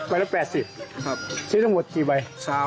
ละ๘๐ซื้อทั้งหมดกี่ใบ